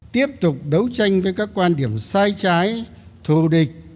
tiếp tục đấu tranh với các quan điểm sai trái thù địch